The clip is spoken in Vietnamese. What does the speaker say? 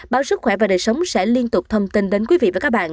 báo sức khỏe và đời sống sẽ liên tục thông tin đến quý vị và các bạn